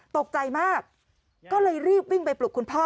ตกใจมากก็เลยรีบวิ่งไปปลุกคุณพ่อ